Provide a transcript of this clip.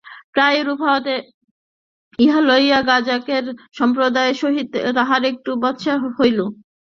প্রায়ই এরূপ হওয়াতে ইহা লইয়া গাঁজাখের সম্প্রদায়ের সহিত তাহার একটু বাচসা হইল।